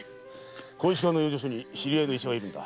小石川の養生所に知り合いの医者がいるんだ。